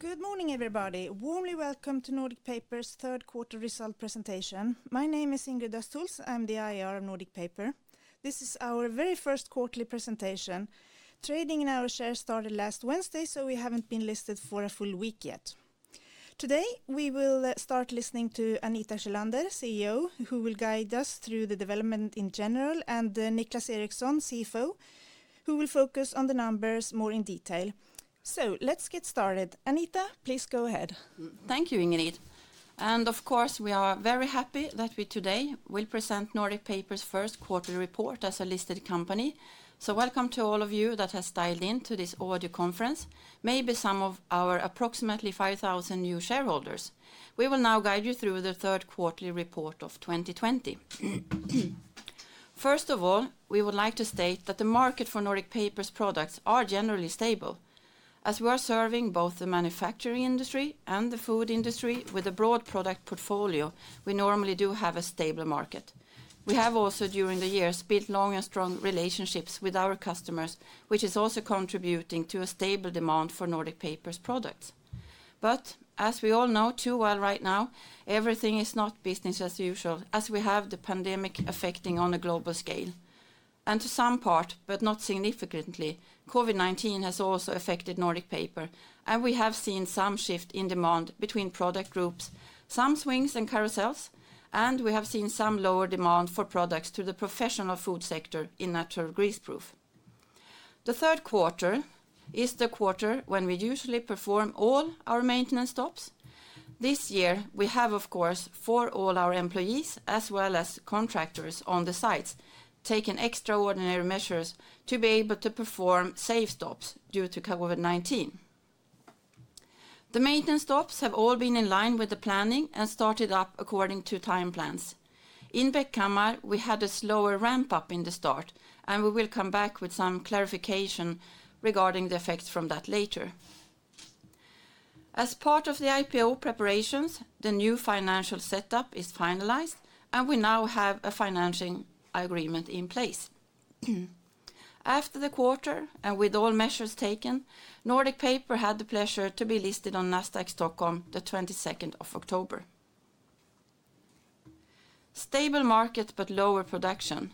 Good morning, everybody. Warmly welcome to Nordic Paper's third quarter result presentation. My name is Ingrid Östhols. I'm the IR of Nordic Paper. This is our very first quarterly presentation. Trading in our shares started last Wednesday, so we haven't been listed for a full week yet. Today, we will start listening to Anita Sjölander, CEO, who will guide us through the development in general, and Niclas Eriksson, CFO, who will focus on the numbers more in detail. Let's get started. Anita, please go ahead. Thank you, Ingrid. Of course, we are very happy that we today will present Nordic Paper's first quarterly report as a listed company. Welcome to all of you that have dialed in to this audio conference, maybe some of our approximately 5,000 new shareholders. We will now guide you through the third quarterly report of 2020. First of all, we would like to state that the market for Nordic Paper's products are generally stable. As we are serving both the manufacturing industry and the food industry with a broad product portfolio, we normally do have a stable market. We have also, during the years, built long and strong relationships with our customers, which is also contributing to a stable demand for Nordic Paper's products. As we all know too well right now, everything is not business as usual, as we have the pandemic affecting on a global scale. To some part, but not significantly, COVID-19 has also affected Nordic Paper, and we have seen some shift in demand between product groups, some swings and carousels, and we have seen some lower demand for products to the professional food sector in Natural Greaseproof. The third quarter is the quarter when we usually perform all our maintenance stops. This year, we have, of course, for all our employees as well as contractors on the sites, taken extraordinary measures to be able to perform safe stops due to COVID-19. The maintenance stops have all been in line with the planning and started up according to time plans. In Bäckhammar, we had a slower ramp-up in the start. We will come back with some clarification regarding the effects from that later. As part of the IPO preparations, the new financial setup is finalized. We now have a financing agreement in place. After the quarter, with all measures taken, Nordic Paper had the pleasure to be listed on Nasdaq Stockholm the 22nd of October. Stable market, lower production.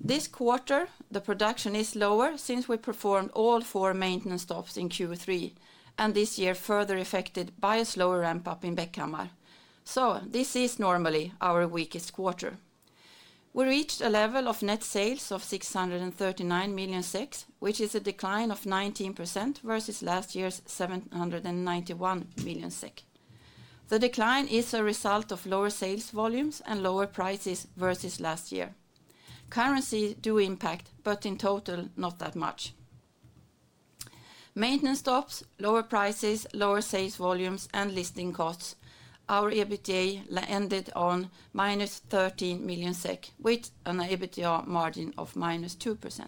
This quarter, the production is lower since we performed all four maintenance stops in Q3. This year further affected by a slower ramp-up in Bäckhammar. This is normally our weakest quarter. We reached a level of net sales of 639 million, which is a decline of 19% versus last year's 791 million. The decline is a result of lower sales volumes and lower prices versus last year. Currency do impact, but in total, not that much. Maintenance stops, lower prices, lower sales volumes, and listing costs, our EBITDA ended on -13 million SEK with an EBITDA margin of -2%.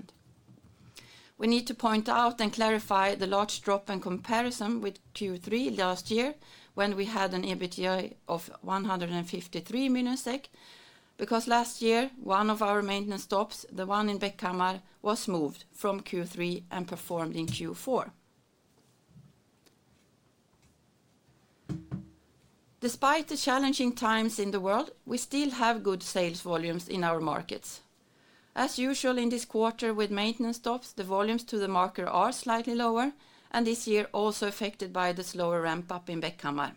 We need to point out and clarify the large drop in comparison with Q3 last year, when we had an EBITDA of 153 million SEK, because last year, one of our maintenance stops, the one in Bäckhammar, was moved from Q3 and performed in Q4. Despite the challenging times in the world, we still have good sales volumes in our markets. As usual in this quarter with maintenance stops, the volumes to the market are slightly lower, and this year also affected by the slower ramp-up in Bäckhammar.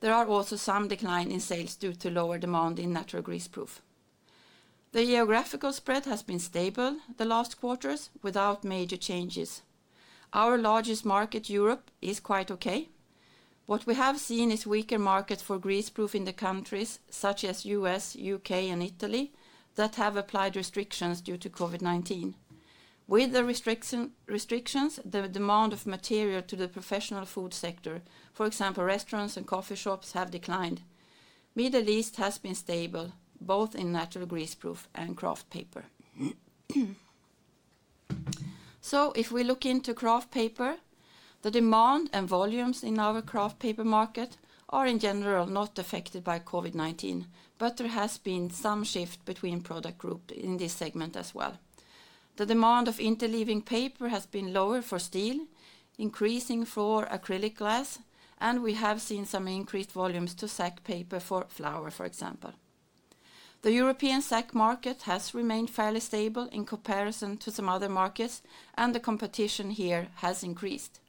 There are also some decline in sales due to lower demand in Natural Greaseproof. The geographical spread has been stable the last quarters without major changes. Our largest market, Europe, is quite okay. What we have seen is weaker markets for Greaseproof in the countries such as U.S., U.K., and Italy that have applied restrictions due to COVID-19. With the restrictions, the demand of material to the professional food sector, for example, restaurants and coffee shops, have declined. Middle East has been stable, both in Natural Greaseproof and Kraft Paper. If we look into Kraft Paper, the demand and volumes in our Kraft Paper market are in general not affected by COVID-19, but there has been some shift between product group in this segment as well. The demand of interleaving paper has been lower for steel, increasing for plexiglass, and we have seen some increased volumes to sack paper for flour, for example. The European sack market has remained fairly stable in comparison to some other markets, and the competition here has increased.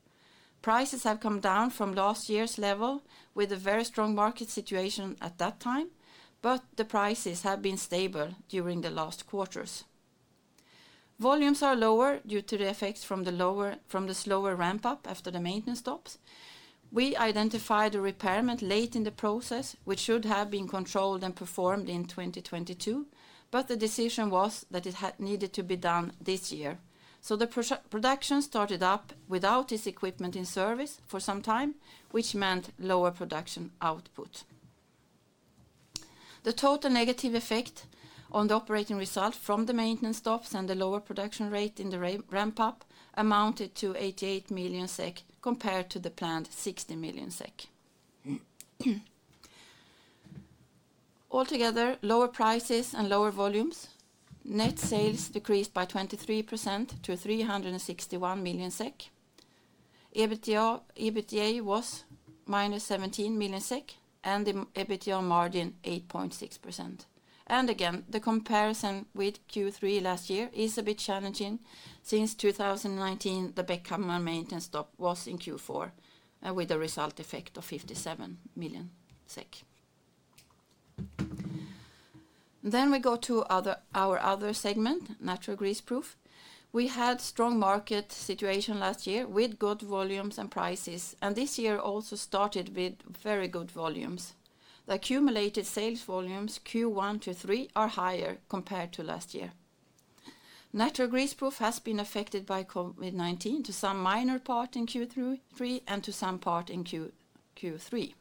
Prices have come down from last year's level with a very strong market situation at that time, but the prices have been stable during the last quarters. Volumes are lower due to the effects from the slower ramp-up after the maintenance stops. We identified a repair late in the process, which should have been controlled and performed in 2022, but the decision was that it needed to be done this year. The production started up without this equipment in service for some time, which meant lower production output. The total negative effect on the operating result from the maintenance stops and the lower production rate in the ramp-up amounted to 88 million SEK compared to the planned 60 million SEK. Altogether, lower prices and lower volumes. Net sales decreased by 23% to 361 million SEK. EBITDA was -17 million SEK and the EBITDA margin 8.6%. Again, the comparison with Q3 last year is a bit challenging since 2019, the Bäckhammar maintenance stop was in Q4, with a result effect of 57 million SEK. We go to our other segment, Natural Greaseproof. We had strong market situation last year with good volumes and prices, and this year also started with very good volumes. The accumulated sales volumes Q1 to Q3 are higher compared to last year. Natural Greaseproof has been affected by COVID-19 to some minor part in Q3 and to some part in Q3.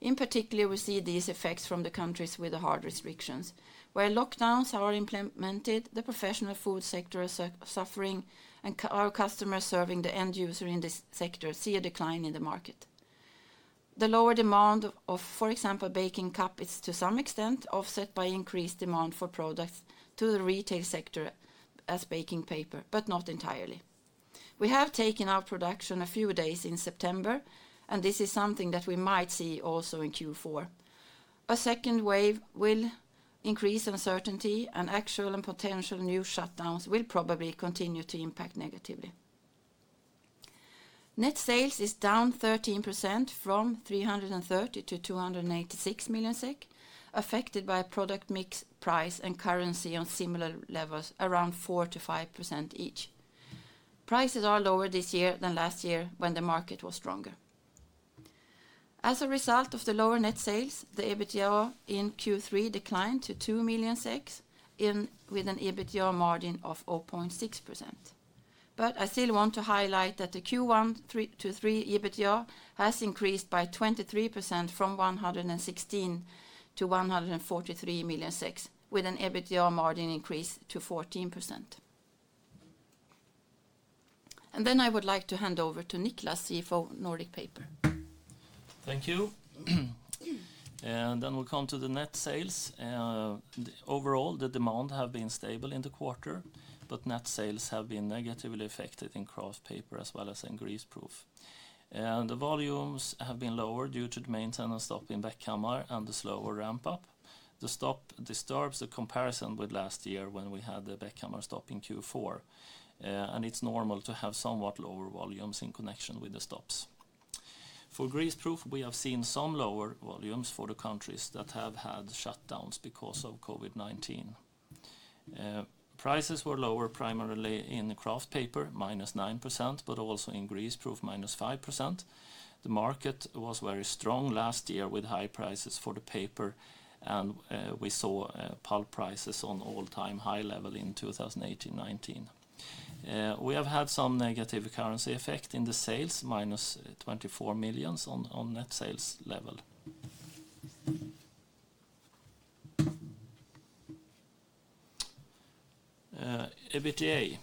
In particular, we see these effects from the countries with the hard restrictions. Where lockdowns are implemented, the professional food sector are suffering, and our customers serving the end user in this sector see a decline in the market. The lower demand of, for example, baking cup is to some extent offset by increased demand for products to the retail sector as baking paper, but not entirely. We have taken our production a few days in September. This is something that we might see also in Q4. A second wave will increase uncertainty. Actual and potential new shutdowns will probably continue to impact negatively. Net sales is down 13% from 330 million to 286 million SEK, affected by product mix, price, and currency on similar levels around 4%-5% each. Prices are lower this year than last year when the market was stronger. As a result of the lower net sales, the EBITDA in Q3 declined to 2 million, with an EBITDA margin of 0.6%. I still want to highlight that the Q1 to Q3 EBITDA has increased by 23% from 116 million to 143 million SEK with an EBITDA margin increase to 14%. I would like to hand over to Niclas, CFO, Nordic Paper. Thank you. We'll come to the net sales. Overall, the demand have been stable in the quarter, but net sales have been negatively affected in Kraft Paper as well as in Greaseproof. The volumes have been lower due to the maintenance stop in Bäckhammar and the slower ramp-up. The stop disturbs the comparison with last year when we had the Bäckhammar stop in Q4, and it's normal to have somewhat lower volumes in connection with the stops. For Greaseproof, we have seen some lower volumes for the countries that have had shutdowns because of COVID-19. Prices were lower, primarily in the Kraft Paper, -9%, but also in Greaseproof, -5%. The market was very strong last year with high prices for the paper, and we saw pulp prices on all-time high level in 2018- 2019. We have had some negative currency effect in the sales, -24 million on net sales level. EBITDA.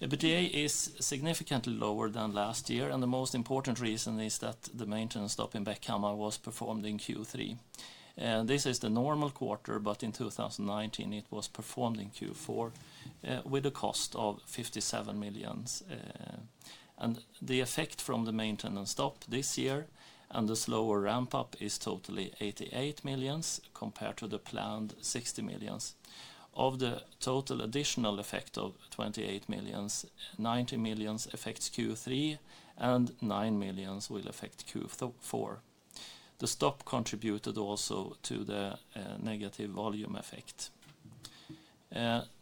EBITDA is significantly lower than last year. The most important reason is that the maintenance stop in Bäckhammar was performed in Q3. This is the normal quarter. In 2019, it was performed in Q4, with a cost of 57 million. The effect from the maintenance stop this year and the slower ramp-up is totally 88 million compared to the planned 60 million. Of the total additional effect of 28 million, 19 million affects Q3 and 9 million will affect Q4. The stop contributed also to the negative volume effect.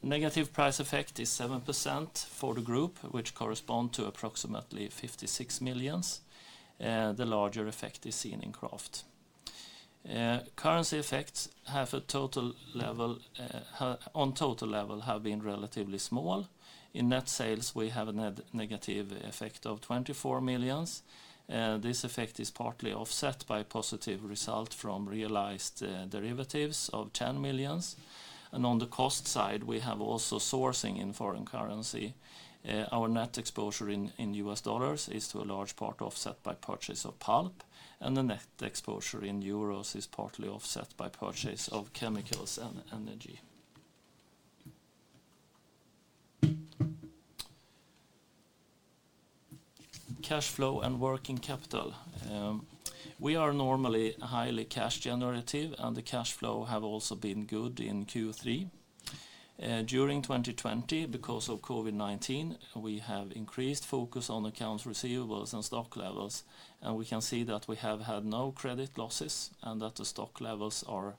Negative price effect is 7% for the group, which correspond to approximately 56 million. The larger effect is seen in Kraft. Currency effects on total level have been relatively small. In net sales, we have a negative effect of 24 million. This effect is partly offset by positive result from realized derivatives of 10 million. On the cost side, we have also sourcing in foreign currency. Our net exposure in U.S. dollars is to a large part offset by purchase of pulp, and the net exposure in euros is partly offset by purchase of chemicals and energy. Cash flow and working capital. We are normally highly cash generative, and the cash flow have also been good in Q3. During 2020, because of COVID-19, we have increased focus on accounts receivables and stock levels, and we can see that we have had no credit losses and that the stock levels are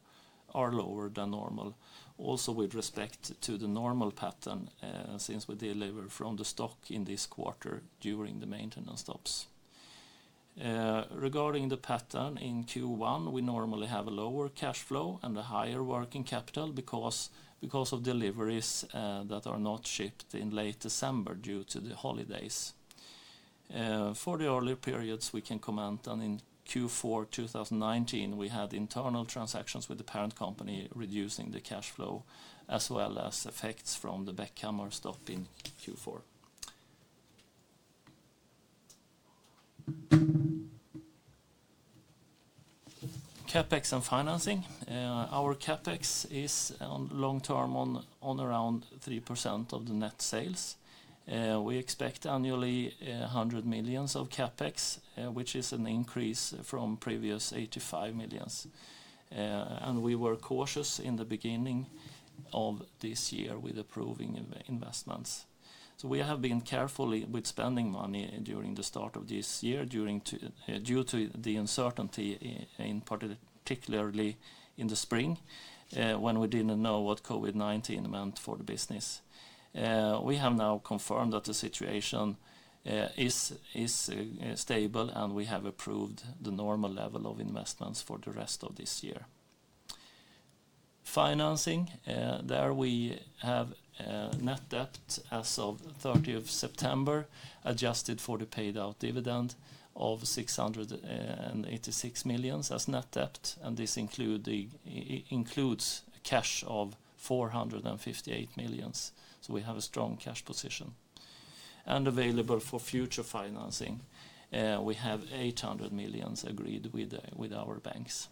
lower than normal. Also with respect to the normal pattern, since we deliver from the stock in this quarter during the maintenance stops. Regarding the pattern in Q1, we normally have a lower cash flow and a higher working capital because of deliveries that are not shipped in late December due to the holidays. For the earlier periods, we can comment on in Q4 2019, we had internal transactions with the parent company, reducing the cash flow, as well as effects from the Bäckhammar stop in Q4. CapEx and financing. Our CapEx is long term on around 3% of the net sales. We expect annually 100 million of CapEx, which is an increase from previous 85 million. We were cautious in the beginning of this year with approving investments. We have been carefully with spending money during the start of this year due to the uncertainty, particularly in the spring, when we didn't know what COVID-19 meant for the business. We have now confirmed that the situation is stable, and we have approved the normal level of investments for the rest of this year. Financing, there we have net debt as of 30th September, adjusted for the paid out dividend of 686 million as net debt, and this includes cash of 458 million. We have a strong cash position. Available for future financing, we have 800 million agreed with our banks.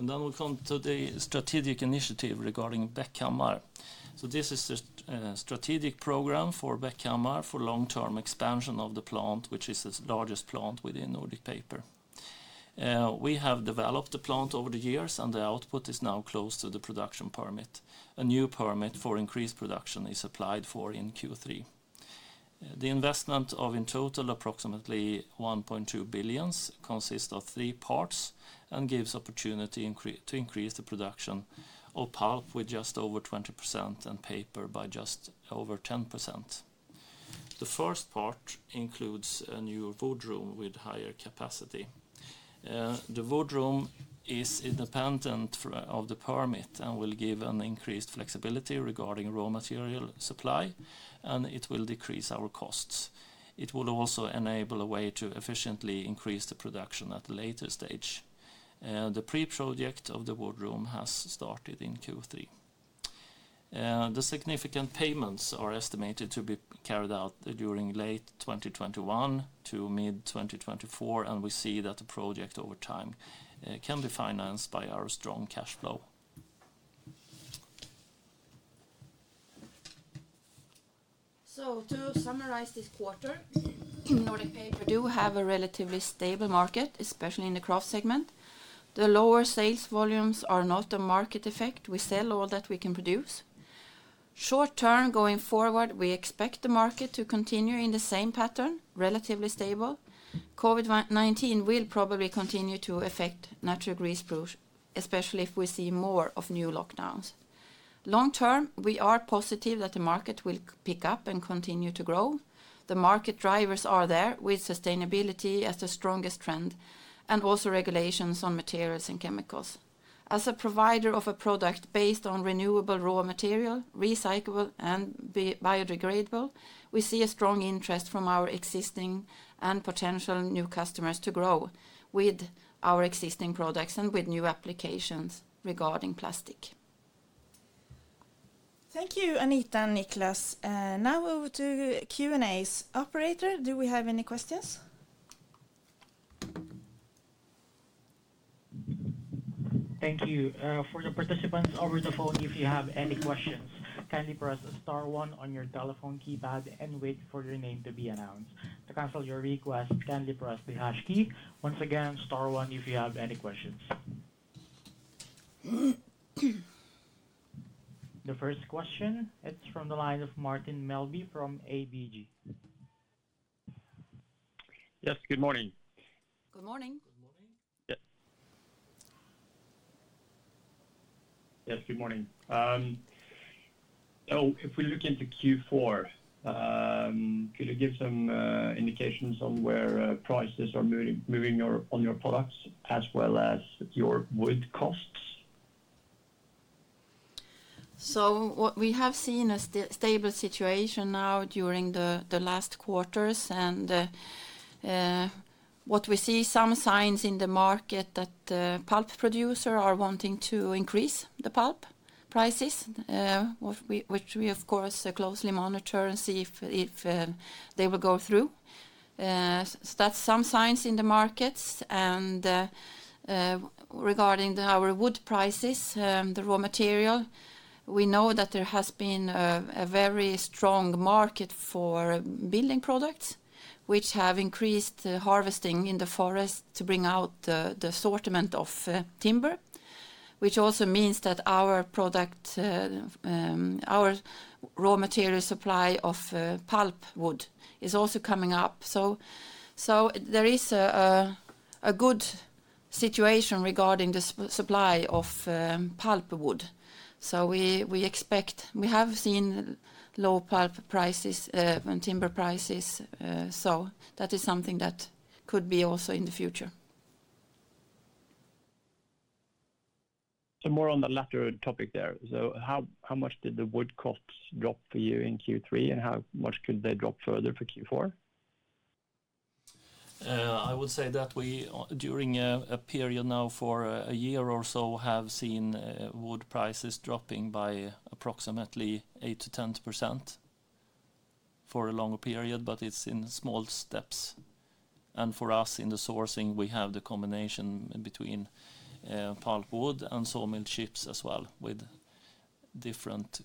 We come to the strategic initiative regarding Bäckhammar. This is a strategic program for Bäckhammar for long-term expansion of the plant, which is the largest plant within Nordic Paper. We have developed The significant payments are estimated to be carried out during late 2021 to mid-2024, and we see that the project over time can be financed by our strong cash flow. To summarize this quarter, Nordic Paper do have a relatively stable market, especially in the Kraft segment. The lower sales volumes are not a market effect. We sell all that we can produce. Short term, going forward, we expect the market to continue in the same pattern, relatively stable. COVID-19 will probably continue to affect Natural Greaseproof, especially if we see more of new lockdowns. Long term, we are positive that the market will pick up and continue to grow. The market drivers are there, with sustainability as the strongest trend and also regulations on materials and chemicals. As a provider of a product based on renewable raw material, recyclable and biodegradable, we see a strong interest from our existing and potential new customers to grow with our existing products and with new applications regarding plastic. Thank you, Anita and Niclas. Now over to Q&A. Operator, do we have any questions? Thank you. For the participants over the phone, if you have any questions, kindly press star one on your telephone keypad and wait for your name to be announced. To cancel your request, kindly press the hash key. Once again, star one if you have any questions. The first question, it's from the line of Martin Melbye from ABG. Yes, good morning. Good morning. Yes. Yes, good morning. If we look into Q4, could you give some indications on where prices are moving on your products as well as your wood costs? What we have seen a stable situation now during the last quarters, and what we see some signs in the market that pulp producer are wanting to increase the pulp prices, which we of course, closely monitor and see if they will go through. That's some signs in the markets. Regarding our wood prices, the raw material, we know that there has been a very strong market for building products, which have increased harvesting in the forest to bring out the assortment of timber, which also means that our raw material supply of pulpwood is also coming up. There is a good situation regarding the supply of pulpwood. We have seen low pulp prices and timber prices, so that is something that could be also in the future. More on the latter topic there. How much did the wood costs drop for you in Q3, and how much could they drop further for Q4? I would say that during a period now for a year or so, we have seen wood prices dropping by approximately 8%-10% for a longer period, but it's in small steps. For us in the sourcing, we have the combination between pulpwood and sawmill chips as well, with different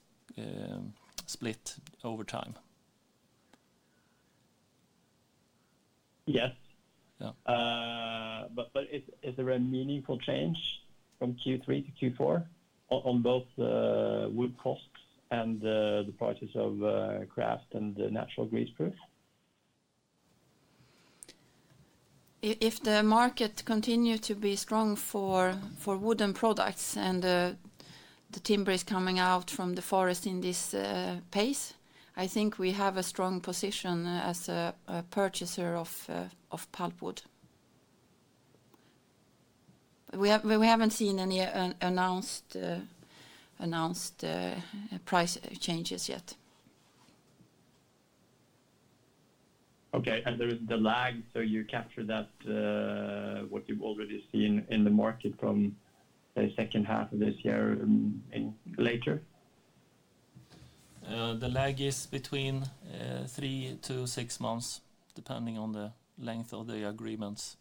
split over time. Yes. Yeah. Is there a meaningful change from Q3 to Q4 on both wood costs and the prices of Kraft and the Natural Greaseproof? If the market continue to be strong for wooden products and the timber is coming out from the forest in this pace, I think we have a strong position as a purchaser of pulpwood. We haven't seen any announced price changes yet. Okay. There is the lag, so you capture that, what you've already seen in the market from, say, second half of this year and later? The lag is between three to six months, depending on the length of the agreements.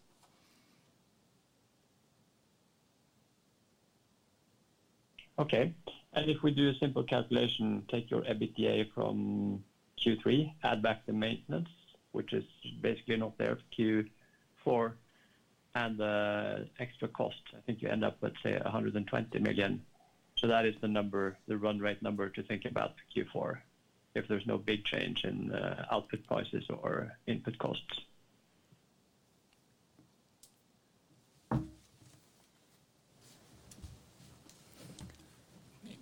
Okay. If we do a simple calculation, take your EBITDA from Q3, add back the maintenance, which is basically not there for Q4, and the extra cost, I think you end up with, say, 120 million. That is the run rate number to think about for Q4, if there's no big change in output prices or input costs.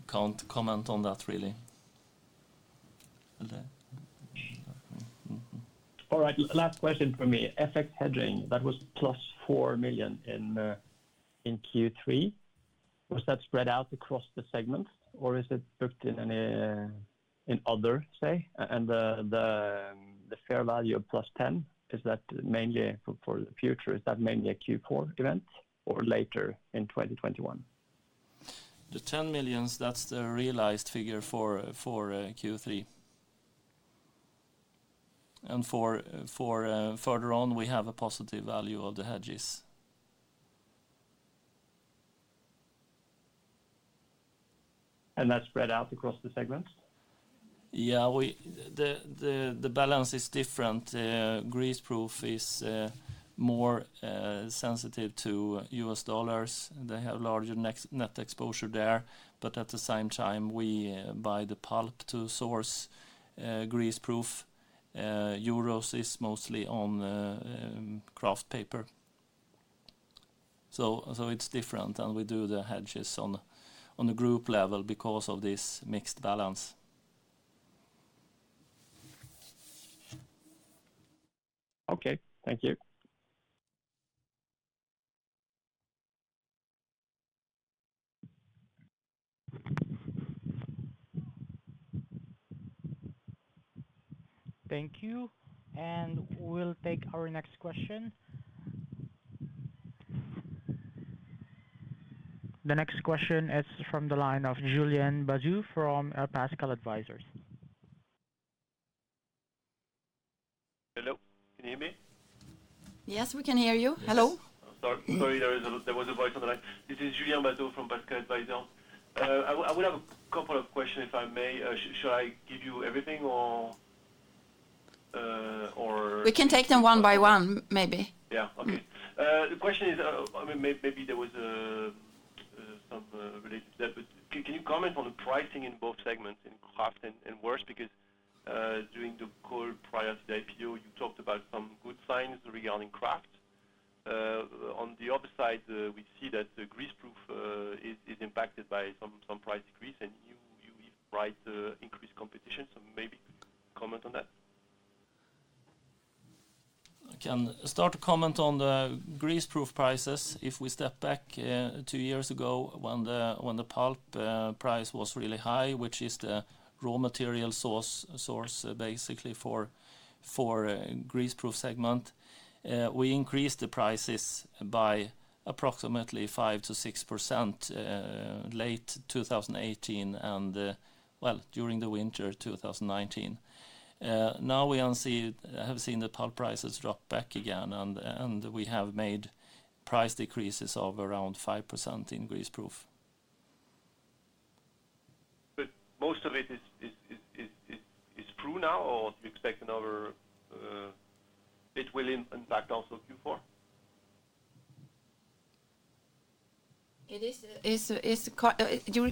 Can't comment on that really. All right. Last question from me. FX hedging, that was +4 million in Q3. Was that spread out across the segment, or is it booked in other, say? The fair value of +10, for the future, is that mainly a Q4 event or later in 2021? The 10 million, that's the realized figure for Q3. For further on, we have a positive value of the hedges. That's spread out across the segments? Yeah. The balance is different. Greaseproof is more sensitive to U.S. dollars. They have larger net exposure there. At the same time, we buy the pulp to source Greaseproof. EUR is mostly on Kraft Paper. It's different, and we do the hedges on a group level because of this mixed balance. Okay. Thank you. Thank you. We'll take our next question. The next question is from the line of [Julien Baziou] from [Aspacal Advisors]. Hello, can you hear me? Yes, we can hear you. Hello. Sorry, there was a voice on the line. This is [Julien Baziou] from [Aspacal Advisors]. I would have a couple of questions, if I may. Should I give you everything or? We can take them one by one, maybe. Yeah. Okay. The question is, maybe there was some relationship there. Can you comment on the pricing in both segments, in Kraft and Greaseproof, because during the call prior to the IPO, you talked about some good signs regarding Kraft. On the other side, we see that the Greaseproof is impacted by some price decrease and you write increased competition. Maybe comment on that? I can start to comment on the Greaseproof prices. If we step back two years ago when the pulp price was really high, which is the raw material source basically for Greaseproof segment, we increased the prices by approximately 5%-6% late 2018 and, well, during the winter 2019. Now we have seen the pulp prices drop back again, and we have made price decreases of around 5% in Greaseproof. Most of it is true now, or do you expect another bit will impact also Q4?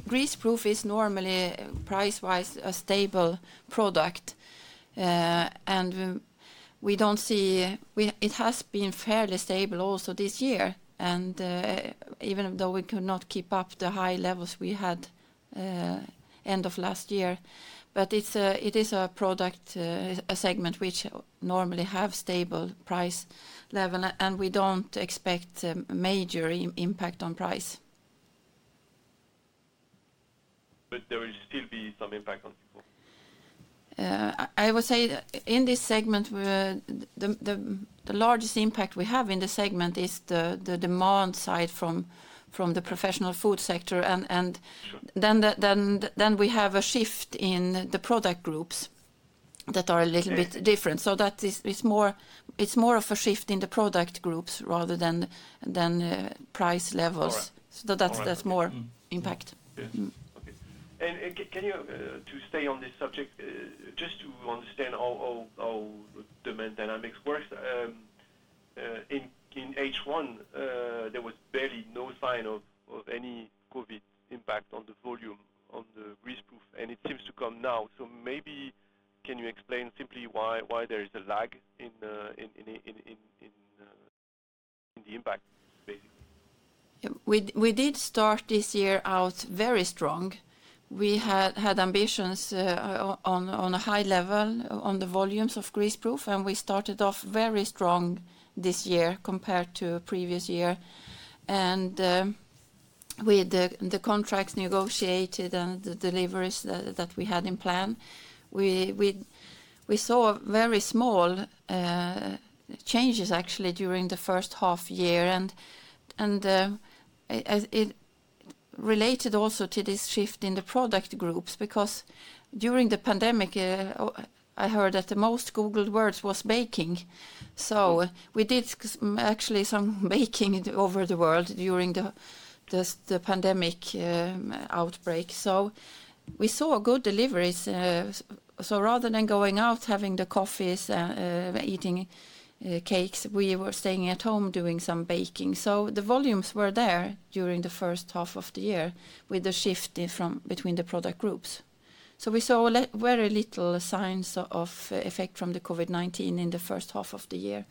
Greaseproof is normally, price-wise, a stable product. It has been fairly stable also this year, even though we could not keep up the high levels we had end of last year. It is a segment which normally have stable price level. We don't expect a major impact on price. There will still be some impact on Q4? I would say the largest impact we have in this segment is the demand side from the professional food sector. Sure. We have a shift in the product groups that are a little bit different. It's more of a shift in the product groups rather than price levels. All right. That's more impact. Yes. Okay. To stay on this subject, just to understand how demand dynamics works. In H1, there was barely any sign of any COVID impact on the volume on the Greaseproof. It seems to come now. Maybe can you explain simply why there is a lag in the impact, basically? We did start this year out very strong. We had ambitions on a high level on the volumes of Greaseproof. We started off very strong this year compared to previous year. With the contracts negotiated and the deliveries that we had in plan, we saw very small changes, actually, during the first half year. It related also to this shift in the product groups, because during the pandemic, I heard that the most googled words was baking. We did actually some baking over the world during the pandemic outbreak. We saw good deliveries. Rather than going out having the coffees, eating cakes, we were staying at home doing some baking. The volumes were there during the first half of the year with the shift between the product groups. We saw very little signs of effect from the COVID-19 in the first half of the year.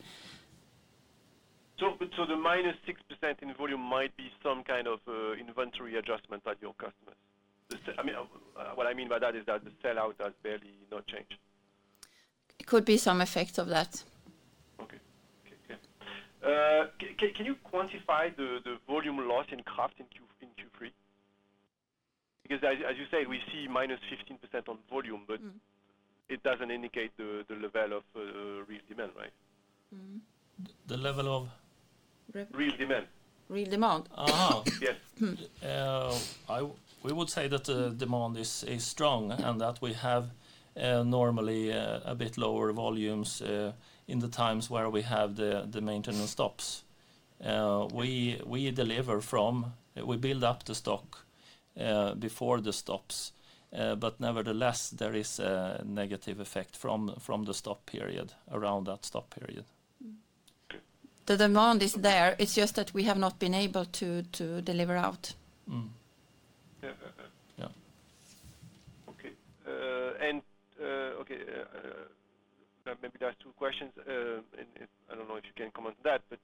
The -6% in volume might be some kind of inventory adjustment at your customers. What I mean by that is that the sell-out has barely no change. It could be some effect of that. Okay. Can you quantify the volume loss in Kraft in Q3? As you say, we see -15% on volume, but it doesn't indicate the level of real demand, right? The level of? Real demand. Real demand? Yes. We would say that the demand is strong and that we have normally a bit lower volumes in the times where we have the maintenance stops. We build up the stock before the stops, nevertheless, there is a negative effect from around that stop period. Okay. The demand is there, it's just that we have not been able to deliver out. Yeah. Yeah. Maybe there are two questions, I don't know if you can comment on that, but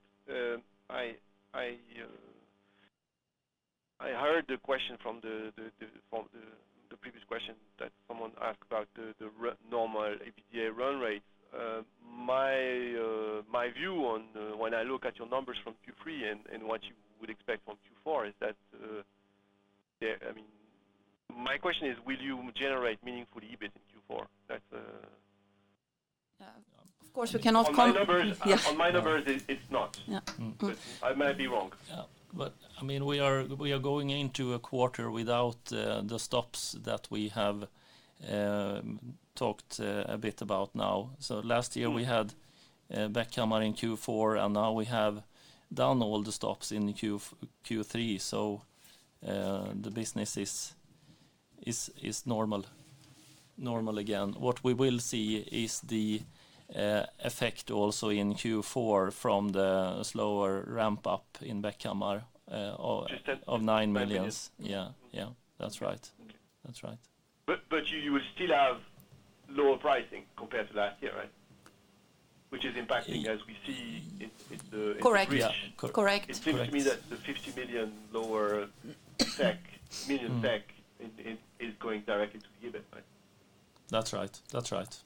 I heard the previous question that someone asked about the normal EBITDA run rate. My view when I look at your numbers from Q3 and what you would expect from Q4, my question is, will you generate meaningful EBIT in Q4? Of course, we cannot comment. On my numbers, it's not. Yeah. I might be wrong. Yeah. We are going into a quarter without the stops that we have talked a bit about now. Last year we had Bäckhammar in Q4, and now we have done all the stops in Q3, so the business is normal again. What we will see is the effect also in Q4 from the slower ramp-up in Bäckhammar of SEK 9 million. Yeah. That's right. Okay. You will still have lower pricing compared to last year, right? Which is impacting as we see in the. Correct Yeah. Correct. It seems to me that the 50 million lower CapEx, million SEK, is going directly to the EBIT, right? That's right.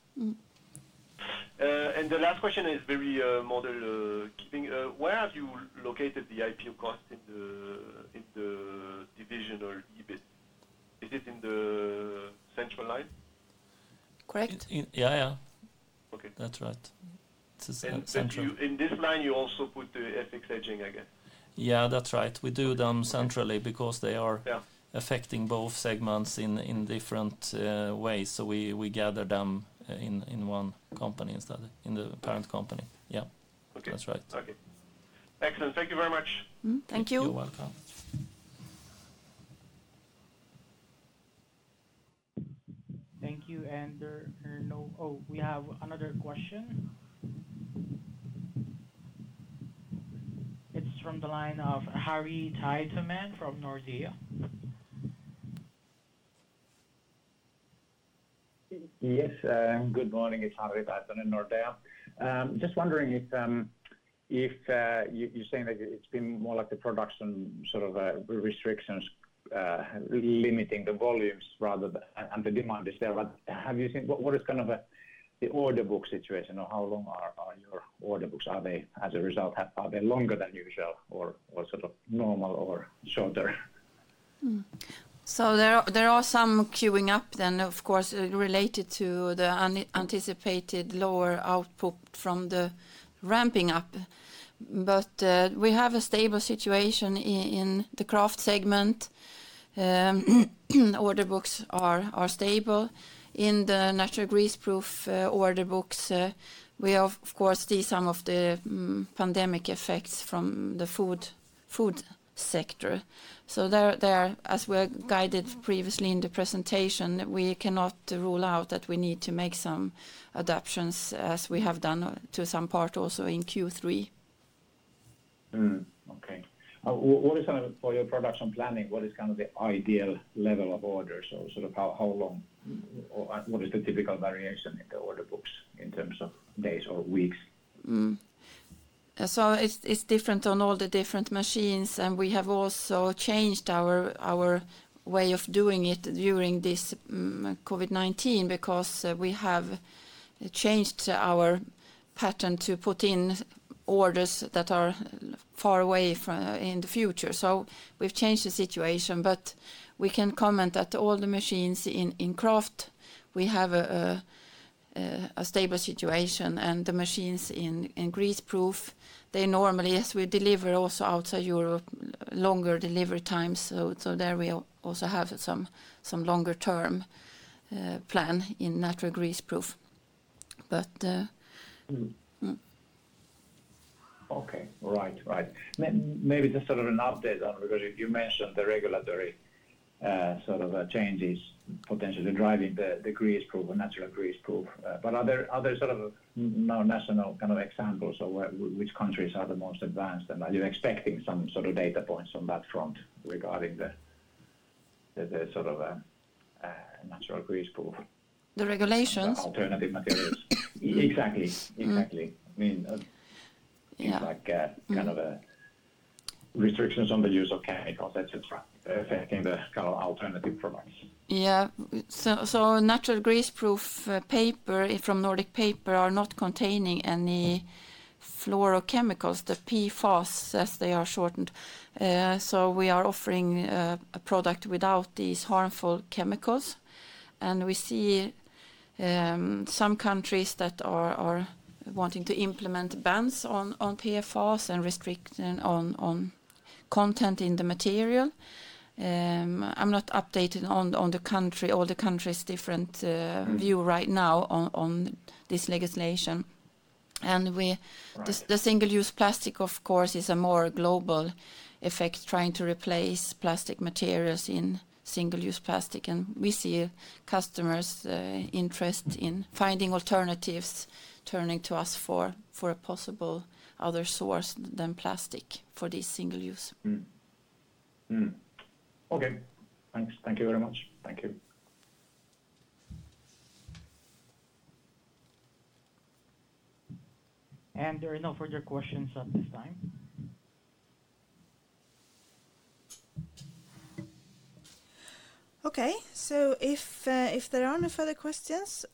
The last question is very model keeping. Where have you located the IPO cost in the division or EBIT? Is it in the central line? Correct. Yeah. Okay. That's right. It's central. In this line, you also put the FX hedging, I guess? Yeah, that's right. We do them centrally because they are. Yeah Affecting both segments in different ways. We gather them in one company instead, in the parent company. Yeah. Okay. That's right. Okay. Excellent. Thank you very much. Thank you. You're welcome. Thank you. We have another question. It's from the line of Harri Taittonen from Nordea. Yes, good morning. It's Harri Taittonen, Nordea. Just wondering, you're saying that it's been more like the production restrictions limiting the volumes, and the demand is there. What is the order book situation, or how long are your order books? As a result, are they longer than usual or sort of normal or shorter? There are some queuing up then, of course, related to the anticipated lower output from the ramping up. We have a stable situation in the Kraft segment. Order books are stable. In the Natural Greaseproof order books, we of course see some of the pandemic effects from the food sector. There, as we guided previously in the presentation, we cannot rule out that we need to make some adaptations as we have done to some part also in Q3. Okay. For your production planning, what is the ideal level of orders? Or what is the typical variation in the order books in terms of days or weeks? It's different on all the different machines, and we have also changed our way of doing it during this COVID-19 because we have changed our pattern to put in orders that are far away in the future. We've changed the situation, but we can comment that all the machines in Kraft, we have a stable situation, and the machines in Greaseproof, they normally, as we deliver also outside Europe, longer delivery times. There we also have some longer term plan in Natural Greaseproof. Okay. Right. Maybe just an update on, because you mentioned the regulatory changes potentially driving the Greaseproof or Natural Greaseproof. Are there national examples of which countries are the most advanced, and are you expecting some sort of data points on that front regarding the Natural Greaseproof? The regulations? Alternative materials. Exactly. I mean, things like restrictions on the use of chemicals, et cetera, affecting the alternative products. Yeah. Natural Greaseproof paper from Nordic Paper are not containing any fluorochemicals, the PFAS as they are shortened. We are offering a product without these harmful chemicals, and we see some countries that are wanting to implement bans on PFAS and restriction on content in the material. I'm not updated on all the countries' different view right now on this legislation. Right. The single-use plastic, of course, is a more global effect, trying to replace plastic materials in single-use plastic, and we see customers' interest in finding alternatives, turning to us for a possible other source than plastic for this single use. Mm-hmm. Okay. Thanks. Thank you very much. Thank you. There are no further questions at this time. If there are no further questions,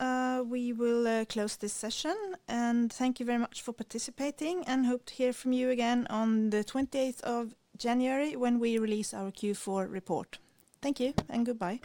we will close this session. Thank you very much for participating, and hope to hear from you again on the 20th of January when we release our Q4 report. Thank you, and goodbye.